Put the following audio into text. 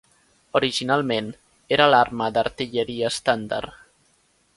Originalment, era l'arma d'artilleria estàndard.